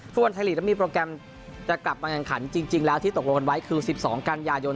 ทุกวันไทยลีกจะมีโปรแกรมการแข่งขันจริงแล้วที่ตกลงกันไว้คือ๑๒การยายน